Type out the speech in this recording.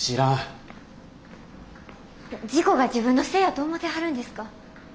事故が自分のせいやと思てはるんですか？